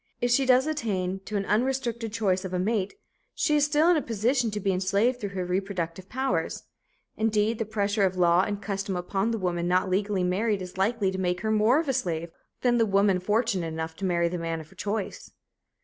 If she does attain to an unrestricted choice of a mate, she is still in a position to be enslaved through her reproductive powers. Indeed, the pressure of law and custom upon the woman not legally married is likely to make her more of a slave than the woman fortunate enough to marry the man of her choice.